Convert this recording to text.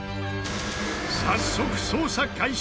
早速捜査開始！